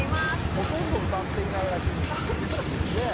ほとんど歌っていないらしいですね。